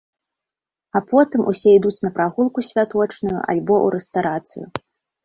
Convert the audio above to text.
А потым усе ідуць на прагулку святочную, альбо у рэстарацыю.